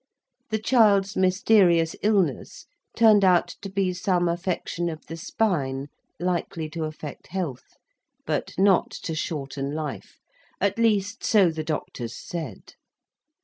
The child's mysterious illness turned out to be some affection of the spine likely to affect health; but not to shorten life—at least so the doctors said.